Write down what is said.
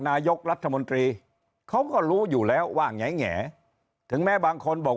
นายกรัฐมนตรีเขาก็รู้อยู่แล้วว่าแง่ถึงแม้บางคนบอก